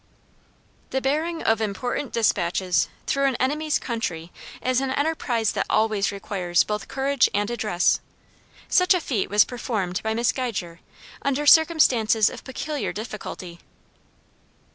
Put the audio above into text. The bearing of important dispatches through an enemy's country is an enterprise that always requires both courage and address. Such a feat was performed by Miss Geiger, under circumstances of peculiar difficulty.